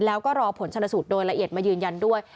แล้วก็รอผลชนสูตรโดยละเอียดมายืนยันด้วย